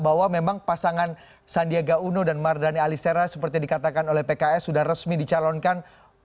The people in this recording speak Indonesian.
bahwa memang pasangan sandiaga uno dan mardhani alisera seperti dikatakan oleh pks sudah resmi dicalonkan